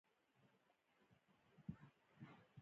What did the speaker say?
افغانستان د وادي له پلوه متنوع دی.